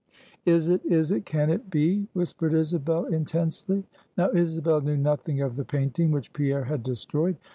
"Is it? Is it? Can it be?" whispered Isabel, intensely. Now, Isabel knew nothing of the painting which Pierre had destroyed.